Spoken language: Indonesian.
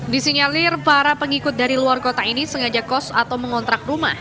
disinyalir para pengikut dari luar kota ini sengaja kos atau mengontrak rumah